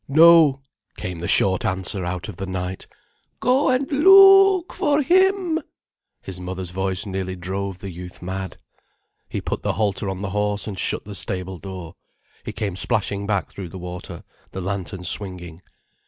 "No," came the short answer out of the night. "Go and loo—ok for him." His mother's voice nearly drove the youth mad. He put the halter on the horse and shut the stable door. He came splashing back through the water, the lantern swinging.